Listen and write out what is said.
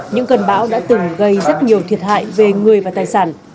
những cơn bão đã từng gây rất nhiều thiệt hại về người và tài sản